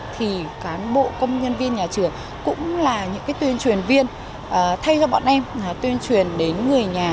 thì cán bộ công nhân viên nhà trường cũng là những tuyên truyền viên thay cho bọn em tuyên truyền đến người nhà